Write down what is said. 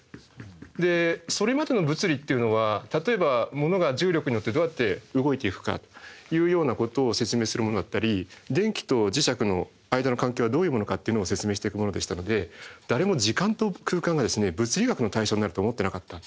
でそれまでの物理っていうのは例えば物が重力によってどうやって動いていくかというようなことを説明するものだったり電気と磁石の間の関係はどういうものかっていうのを説明していくものでしたので誰も時間と空間が物理学の対象になると思ってなかった。